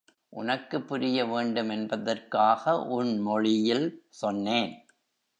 உனக்குப் புரிய வேண்டுமென்பதற்காக உன் மொழியில் சொன்னேன்.